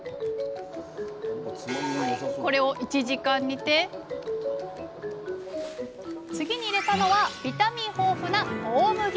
これを１時間煮て次に入れたのはビタミン豊富な大麦。